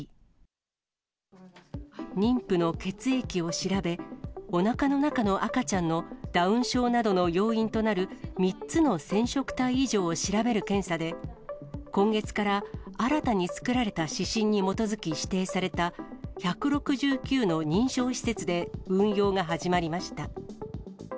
妊婦の血液を調べ、おなかの中の赤ちゃんのダウン症などの要因となる３つの染色体異常を調べる検査で、今月から新たに作られた指針に基づき指定された、１６９の認証施設で運用が始まりました。